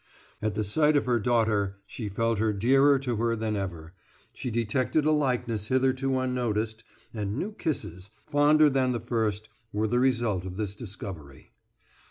At the sight of her daughter she felt her dearer to her than ever; she detected a likeness hitherto unnoticed, and new kisses, fonder than the first, were the result of this discovery.